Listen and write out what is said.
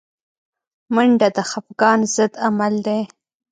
منډه د خفګان ضد عمل دی